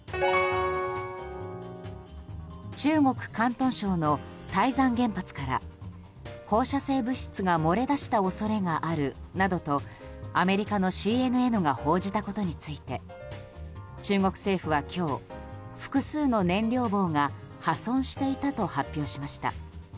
中国・広東省の台山原発から放射性物質が漏れ出した恐れがあるなどとアメリカのＣＮＮが報じたことについて中国政府は今日複数の燃料棒が破損していたと発表しました。